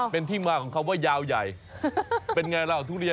เป็นที่มาฝากคำว่ายาวใหญ่